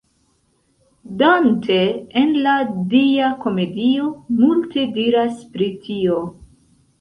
Dante en la Dia Komedio multe diras pri tio.